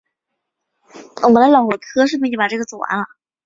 亚泽被尼泊尔吞并至今。